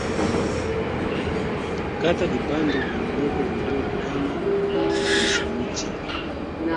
Kata vipande vidogo vidogo kama ½inchi